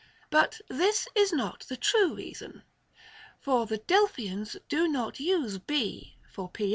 But this is not the true reason. For the Delphians do not use b for ]?